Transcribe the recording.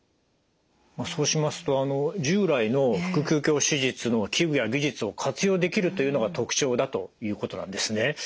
そうしますと従来の腹腔鏡手術の器具や技術を活用できるというのが特徴だということなんですね。